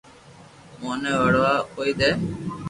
موئي وڙوا ڪوئي دي